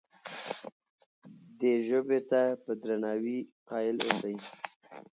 دې ژبې ته په درناوي قایل اوسئ.